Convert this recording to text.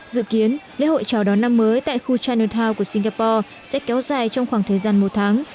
dự kiến lễ hội chào đón năm mới tại khu chinatown của singapore sẽ kéo dài trong khoảng thời gian